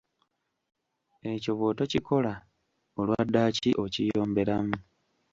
Ekyo bw'otokikola, olwa ddaaki okiyomberamu.